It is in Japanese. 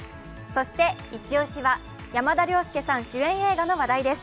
そしてイチ押しは山田涼介主演映画の話題です。